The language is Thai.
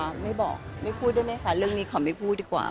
ขอไม่บอกด้วยมียะค่ะไม่พูดด้วยมียะค่ะเรื่องนี้ขอไม่พูดดีกว่า